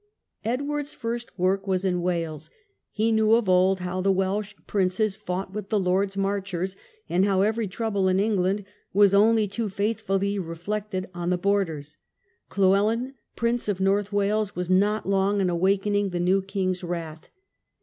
Edward's first work was in Wales. He knew of old how the Welsh princes fought with the Lords Marchers, and how every trouble in England was only too The weUh faithfully reflected on the borders. Llewellyn, pnnces. Prince of North Wales, was not long in awakening the new king's wrath.